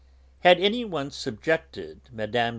Had anyone subjected Mme.